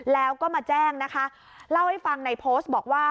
แล้วก็มาแจ้งนะคะเล่าให้ฟังในโพสต์บอกว่า